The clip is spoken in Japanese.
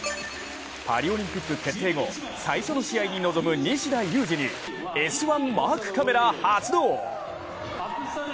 パリオリンピック決定後最初の試合に臨む西田有志に「Ｓ☆１」マークカメラ発動！